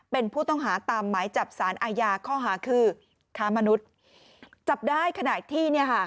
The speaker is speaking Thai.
เป็นผู้ต้องหาตามหมายจับสารอาญาข้อหาคือค้ามนุษย์จับได้ขณะที่เนี่ยค่ะ